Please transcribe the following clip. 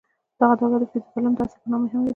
دغه دوره د فیوډالیزم د عصر په نامه هم یادیږي.